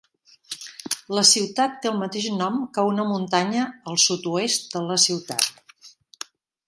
La ciutat té el mateix nom que una muntanya al sud-oest de la ciutat.